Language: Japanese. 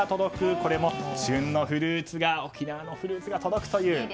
これも旬の沖縄のフルーツが届くという。